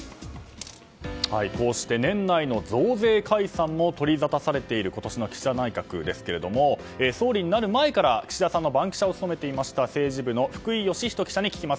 こうして年内の増税解散も取りざたされている今年の岸田内閣ですが総理になる前から岸田さんの番記者を務めていました政治部の福井慶仁記者に聞きます。